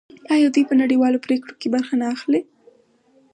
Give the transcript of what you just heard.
آیا دوی په نړیوالو پریکړو کې برخه نلري؟